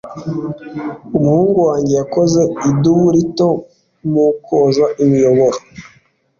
Umuhungu wanjye yakoze idubu rito mu koza imiyoboro.